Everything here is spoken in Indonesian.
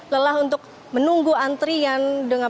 lelah untuk menunggu antrian dengan